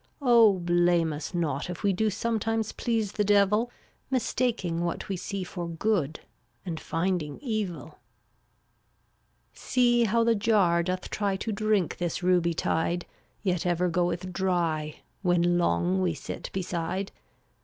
Oh, blame us not if we Do sometimes please the Devil, Mistaking what we see For good, and finding evil. 334 See how the jar doth try To drink this ruby tide, Yet ever goeth dry — When long we sit beside.